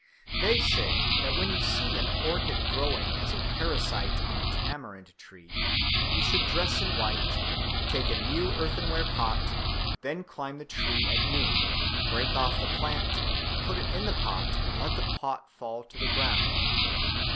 They say that when you see an orchid growing as a parasite on a tamarind tree, you should dress in white, take a new earthenware pot, then climb the tree at noon, break off the plant, put it in the pot and let the pot fall to the ground.